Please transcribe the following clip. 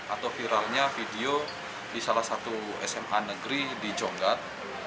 atau viralnya video di salah satu sma negeri di jonggat